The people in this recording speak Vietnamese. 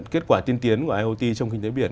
kết quả tiên tiến của iot trong kinh tế biển